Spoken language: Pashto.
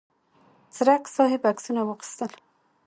څرک صاحب عکسونه واخیستل.